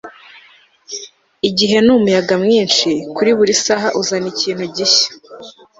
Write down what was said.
igihe ni umuyaga mwinshi, kuri buri saha uzana ikintu gishya